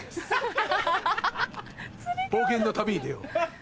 冒険の旅に出よう。